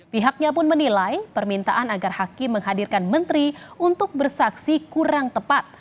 pihaknya pun menilai permintaan agar hakim menghadirkan menteri untuk bersaksi kurang tepat